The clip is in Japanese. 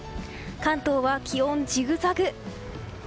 関東は気温ジグザグ。